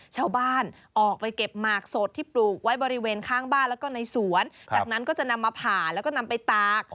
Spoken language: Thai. ชาวบ้านออกไปเก็บหมากสดที่ปลูกไว้บริเวณข้างบ้านแล้วก็ในสวนจากนั้นก็จะนำมาผ่าแล้วก็นำไปตาก